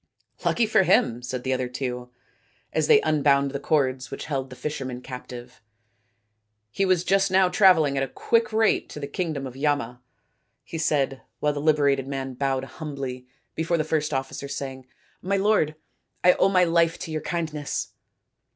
" Lucky for him," said the other two, as they unbound the cords which held the fisherman captive. " He was just now travelling at a quick rate to the SAKUNTALA AND DUSHYANTA 239 kingdom of Yama," he said, while the liberated man bowed humbly before the first officer, saying, " My lord, I owe my life to your kindness."